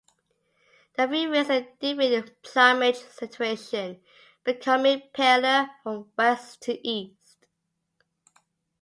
There are three races differing in plumage saturation, becoming paler from west to east.